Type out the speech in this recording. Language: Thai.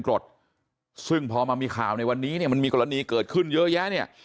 กรดซึ่งพอมามีข่าวในวันนี้เนี่ยมันมีกรณีเกิดขึ้นเยอะแยะเนี่ย